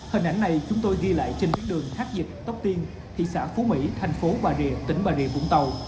hình ảnh này chúng tôi ghi lại trên đường tháp dịch tốc tiên thị xã phú mỹ thành phố bà rìa tỉnh bà rìa vũng tàu